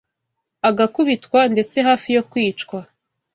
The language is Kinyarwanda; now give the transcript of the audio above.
agakubitwa, ndetse yafi yo kwicwa